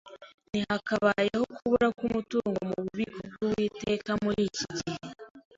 ntihakabayeho kubura k’umutungo mu bubiko bw’Uwiteka muri iki gihe